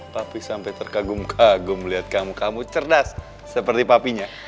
tapi sampai terkagum kagum melihat kamu kamu cerdas seperti papinya